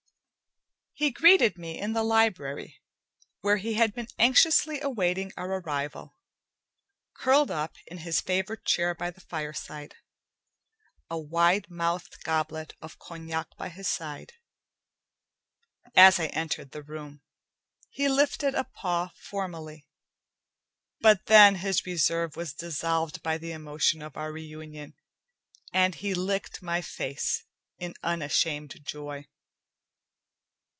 He greeted me in the library, where he had been anxiously awaiting our arrival, curled up in his favorite chair by the fireside, a wide mouthed goblet of cognac by his side. As I entered the room, he lifted a paw formally, but then his reserve was dissolved by the emotion of our reunion, and he licked my face in unashamed joy.